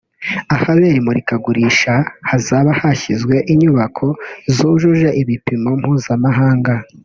ahabera imurikagurisha hazaba hashyizwe inyubako zujuje ibipimo mpuzamahanga